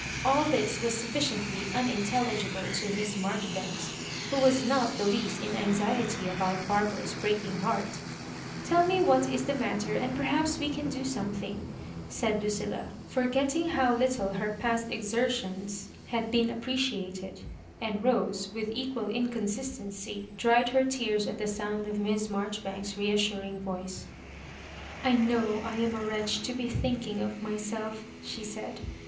AH this was sufficiently unintelligible to Miss Marjoribanks, who was not the least in anxiety about Barbara's breaking heart " Tell me what is the matter, and perhaps we can do something," said Lucilla, forgetting how litfle her past exer tions had been appreciated; and Rose, with equal inconsistency, dried her tears at the sound of Miss Maijoribank8% reassuring vok». *^ I know I am a wretch to be thinking of my self;" she said.